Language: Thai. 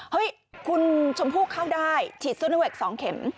เฮ้ยคุณชมพู่เข้าได้ฉีดซูโนเวค๒เข็ม